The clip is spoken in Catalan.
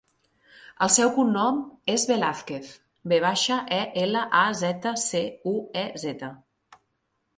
El seu cognom és Velazquez: ve baixa, e, ela, a, zeta, cu, u, e, zeta.